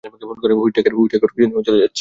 Whitaker কী জানে ও জেলে যাচ্ছে?